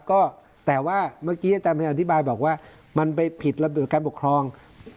ก็แต่ว่าเมื่อกี้อาจารย์พยายามอธิบายบอกว่ามันไปผิดระเบียบการปกครอง